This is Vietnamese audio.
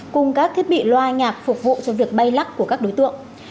cùng các thiết bị loa nhạc phục vụ cho việc bay lắc của các đối tượng